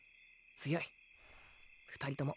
強い二人とも。